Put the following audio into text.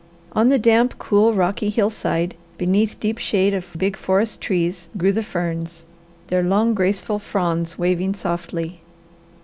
On the damp, cool, rocky hillside, beneath deep shade of big forest trees, grew the ferns, their long, graceful fronds waving softly.